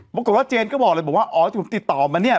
ปรากฏว่าเจนก็บอกเลยบอกว่าอ๋อที่ผมติดต่อมาเนี่ย